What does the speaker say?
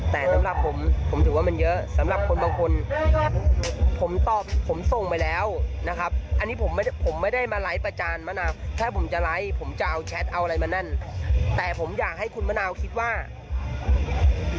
สิ่งที่ผมทำทุกคนอาจจะไม่กล้าแต่ผมกล้านะครับ